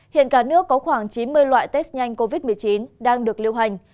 hiện cả nước có khoảng chín mươi loại test nhanh covid một mươi chín đang được lưu hành